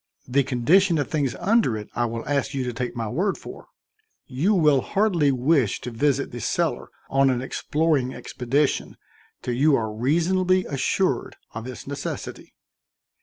The condition of things under it I will ask you to take my word for; you will hardly wish to visit the cellar on an exploring expedition till you are reasonably assured of its necessity."